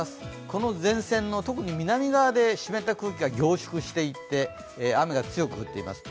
この前線の特に南側で湿った空気が凝縮していって雨が強く降っています。